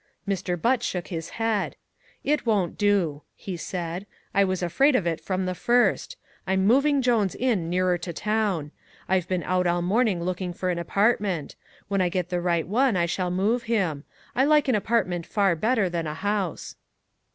Mr. Butt shook his head. "It won't do," he said. "I was afraid of it from the first. I'm moving Jones in nearer to town. I've been out all morning looking for an apartment; when I get the right one I shall move him. I like an apartment far better than a house."